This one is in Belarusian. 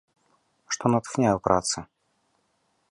Што натхняе ў працы?